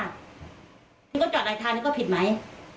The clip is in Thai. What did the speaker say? นี่ก็จอดไหลทางนี่ก็ผิดไหม